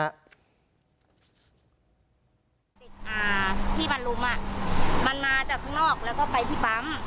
อ่าที่มันรุมอ่ะมันมาจากข้างนอกแล้วก็ไปที่ปั๊ม